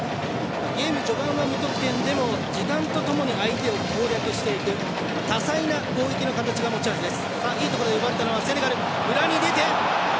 ゲーム序盤は無得点でも時間とともに相手を攻略していく多彩な攻撃の形が持ち味です。